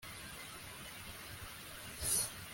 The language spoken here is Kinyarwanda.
Tom yabajije uko amafaranga angana